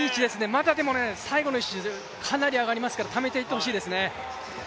まだでも最後にかなり上がりますからためていってほしいですね。